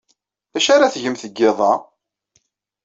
D acu ara tgemt deg yiḍ-a?